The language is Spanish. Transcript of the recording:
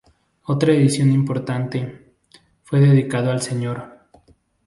Otra edición importante, fue dedicado al Sr.